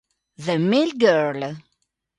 The Mill Girl